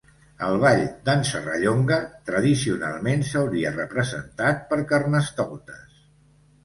El Ball d'en Serrallonga tradicionalment s'hauria representat per Carnestoltes.